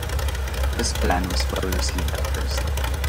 This plan was well received at first.